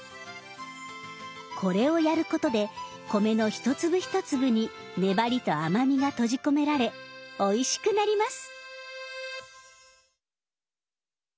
これをやることで米の一粒一粒に粘りと甘みが閉じ込められおいしくなります！